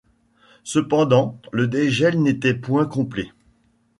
Cependant, le dégel n’était point complet.